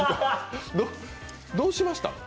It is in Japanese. どうしました？